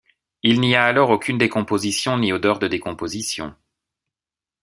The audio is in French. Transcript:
Il n’y a alors aucune décomposition ni odeur de décomposition.